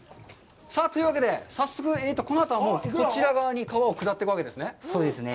というわけで、早速このあとはそちら側に川を下っていくわけですね？